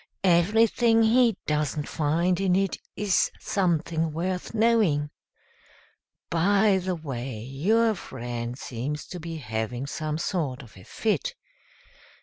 "Everything he doesn't find in it is something worth knowing. By the way, your friend seems to be having some sort of a fit.